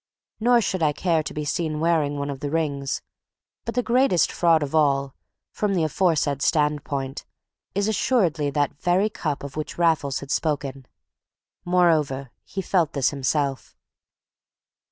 Nor should I care to be seen wearing one of the rings; but the greatest fraud of all (from the aforesaid standpoint) is assuredly that very cup of which Raffles had spoken. Moreover, he felt this himself.